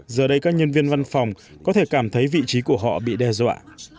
giờ đây các nhân viên văn phòng có thể cảm thấy vị trí của họ bị đe dọa